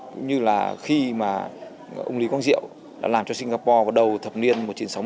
cũng như là khi mà ông lý quang diệu đã làm cho singapore vào đầu thập niên một nghìn chín trăm sáu mươi